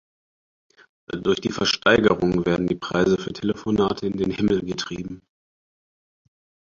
Durch die Versteigerungen werden die Preise für Telefonate in den Himmel getrieben.